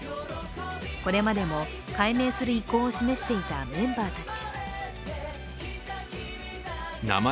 これまでも改名する意向を示していたメンバーたち。